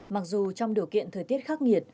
mặc dù trong điều kiện thời tiết khắc nghiệt